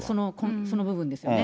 その部分ですよね。